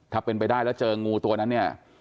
ถ้าเป็นไปได้แล้วเจองูตัวนั้นเนี่ย